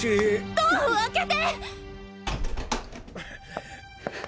ドアを開けて！